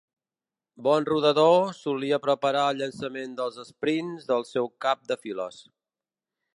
Bon rodador, solia preparar el llançament dels esprints del seu cap de files.